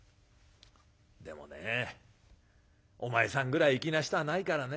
『でもねお前さんぐらい粋な人はないからね。